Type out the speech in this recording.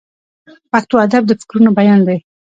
پښتو ادب د فکرونو بیان دی.